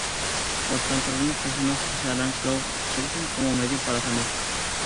Por tanto, algunas personas usarán el crowd surfing como medio para salir.